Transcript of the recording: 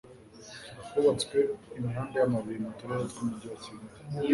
hubatswe imihanda y' amabuye mu turere tw'umujyi wa kigali